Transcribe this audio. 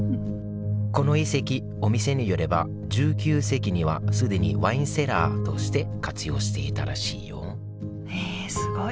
この遺跡お店によれば１９世紀にはすでにワインセラーとして活用していたらしいよへえすごい。